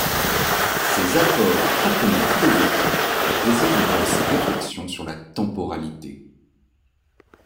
Ses apports proprement philosophiques résident dans ses réflexions sur la temporalité.